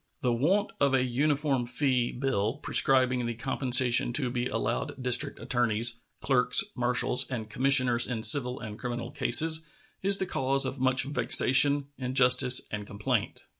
The want of a uniform fee bill, prescribing the compensation to be allowed district attorneys, clerks, marshals, and commissioners in civil and criminal cases, is the cause of much vexation, injustice, and complaint.